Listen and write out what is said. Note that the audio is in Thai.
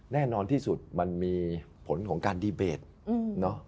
แน่นอนที่สุดมันมีผลของการดีเบตเนอะ